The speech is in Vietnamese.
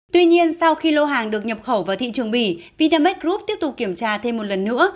tuy nhiên sau khi lô hàng được nhập khẩu vào thị trường bỉ vitamex group tiếp tục kiểm tra thêm một lần nữa